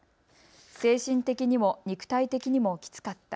精神的にも肉体的にもきつかった。